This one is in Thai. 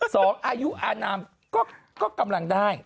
อายุอนามก็กำลังได้